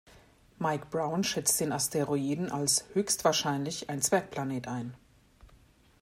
Mike Brown schätzt den Asteroiden als "höchstwahrscheinlich" ein Zwergplanet ein.